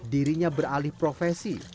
dirinya beralih profesi